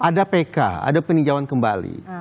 ada pk ada peninjauan kembali